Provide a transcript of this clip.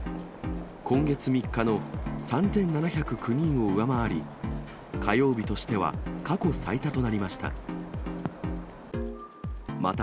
今月３日の３７０９人を上回り、火曜日としては過去最多となりました。